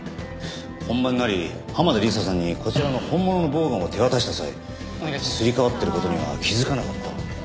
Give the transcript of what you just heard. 本番になり濱田梨沙さんにこちらの本物のボウガンを手渡した際すり替わってる事には気づかなかった？